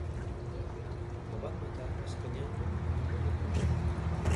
El van matar escanyant-lo amb una corda.